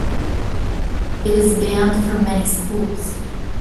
It is banned from many schools.